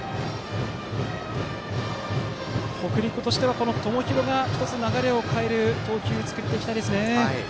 北陸としては友廣が流れを変える投球で作っていきたいですね。